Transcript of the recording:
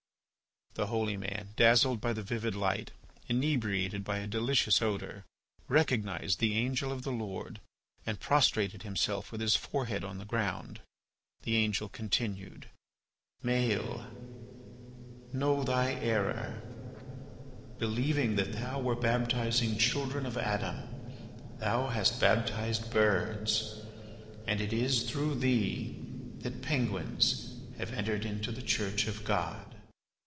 The holy man, dazzled by a vivid light, inebriated by a delicious odour, recognised the angel of the Lord, and prostrated himself with his forehead on the ground. The angel continued: "Maël, know thy error, believing that thou wert baptizing children of Adam thou hast baptized birds; and it is, through thee that penguins have entered into the Church of God."